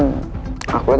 aduh aku mau pulang